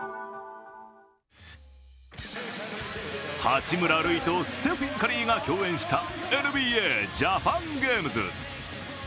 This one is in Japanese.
八村塁とステフィン・カリーが共演したＮＢＡジャパンゲームズ。